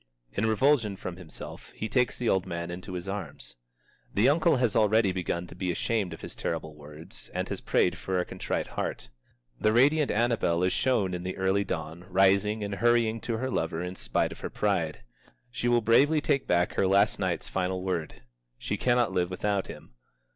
In revulsion from himself, he takes the old man into his arms. The uncle has already begun to be ashamed of his terrible words, and has prayed for a contrite heart. The radiant Annabel is shown in the early dawn rising and hurrying to her lover in spite of her pride. She will bravely take back her last night's final word. She cannot live without him.